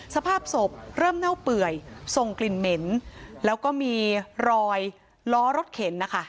สภาพศพเริ่มเน่าเปื่อยส่งกลิ่นเหม็นแล้วก็มีรอยล้อรถเข็นนะคะ